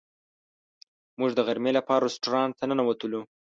موږ د غرمې لپاره رسټورانټ ته ننوتلو.